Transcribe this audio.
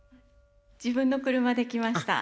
自分の車で来ました。